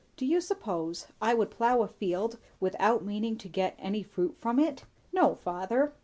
"Do you suppose I would plough a field, without meaning to get any fruit from it." "No, father."